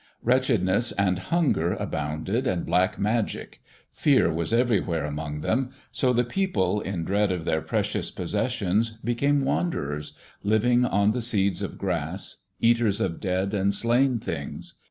Wretchedness and hunger abounded and black magic. Fear was everywhere among them, so the people, in dread of their precious possessions, became wanderers, living on the seeds of grass, eaters of dead and slain things.